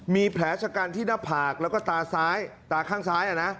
มีแผลชะกันที่หน้าผากแล้วก็ตาซ้ายตาข้างซ้าย